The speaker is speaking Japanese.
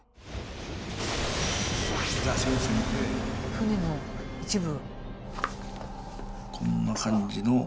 船の一部。